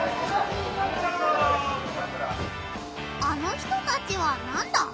あの人たちはなんだ？